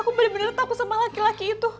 aku bener bener takut sama laki laki itu